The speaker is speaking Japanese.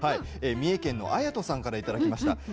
三重県のあやとさんからいただきました。